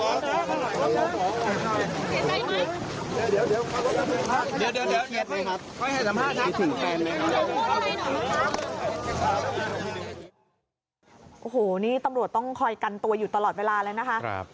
โอ้โหนี่ตำรวจต้องคอยกันตัวอยู่ตลอดเวลาเลยนะคะ